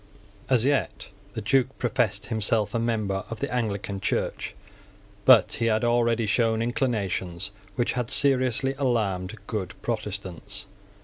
As yet the Duke professed himself a member of the Anglican Church but he had already shown inclinations which had seriously alarmed good Protestants.